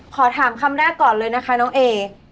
ขอถามคำแรกก่อนเลยนะคะน้องเอ